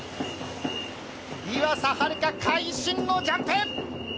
岩佐明香、会心のジャンプ！